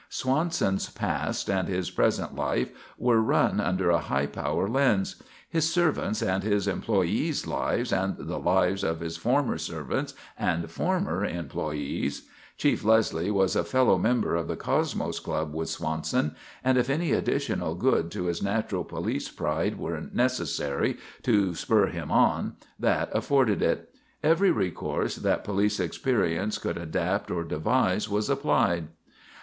Swanson's past and his present life were run under a high power lens; his servants' and his employees' lives and the lives of his former servants and former employees; Chief Leslie was a fellow member of the Cosmos Club with Swanson, and if any additional good to his natural police pride were necessary to spur him on, that afforded it. Every recourse that police experience could adapt or devise was applied.